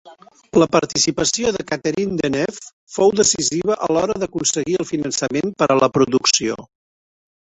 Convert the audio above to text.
La participació de Catherine Deneuve fou decisiva a l'hora d'aconseguir el finançament per a la producció.